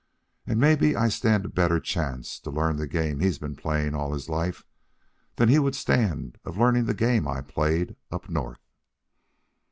And maybe I stand a better chance to learn the game he's been playing all his life than he would stand of learning the game I played up North."